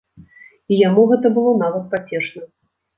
І яму гэта было нават пацешна.